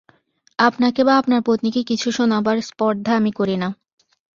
আপনাকে বা আপনার পত্নীকে কিছু শোনাবার স্পর্ধা আমি করি না।